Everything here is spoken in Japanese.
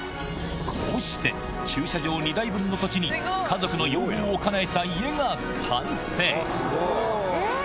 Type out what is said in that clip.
こうして駐車場２台分の土地に家族の要望をかなえた家が完成えっ！